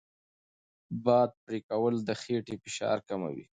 باد پرې کول د خېټې فشار کموي.